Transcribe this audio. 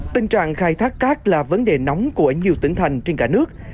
tình trạng khai thác cát là vấn đề nóng của nhiều tỉnh thành trên cả nước